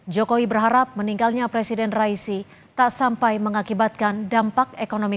jokowi berharap meninggalnya presiden raisi tak sampai mengakibatkan dampak ekonomi